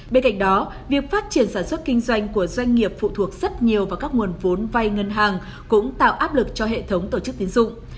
bên cạnh đó việc phát triển sản xuất kinh doanh của doanh nghiệp phụ thuộc rất nhiều vào các nguồn vốn vay ngân hàng cũng tạo áp lực cho hệ thống tổ chức tiến dụng